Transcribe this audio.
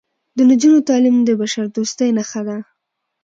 د نجونو تعلیم د بشردوستۍ نښه ده.